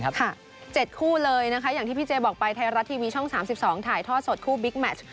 ๗คู่เลยนะคะอย่างที่พี่เจบอกไปไทยรัฐทีวีช่อง๓๒ถ่ายทอดสดคู่บิ๊กแมช